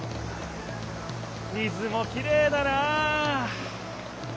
水もきれいだな！